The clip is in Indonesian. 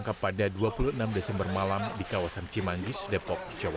terhadap para saudara novel